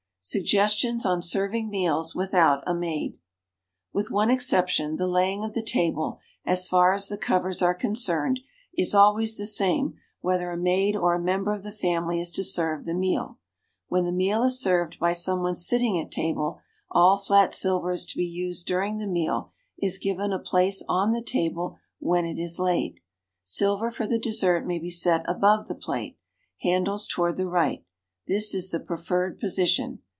SUGGESTIONS ON SERVING MEALS WITHOUT A MAID With one exception, the laying of the table, as far as the cov ers are concerned, is always the same whether a maid or a member of the family is to serve the meal. When the meal is served by someone sitting at table, all flat silver to be used during the meal is given a place on the tal)le when it is laid. Silver for the dessert may be set aljove the plate, handles toward the right. This is the preferred position.